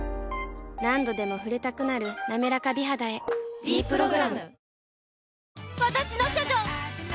何度でも触れたくなる「なめらか美肌」へ「ｄプログラム」